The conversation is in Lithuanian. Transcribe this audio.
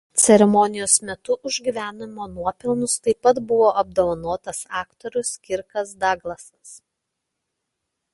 Ceremonijos metu už gyvenimo nuopelnus taip pat buvo apdovanotas aktorius Kirkas Daglasas.